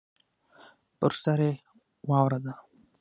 پر سر یې واوره ده.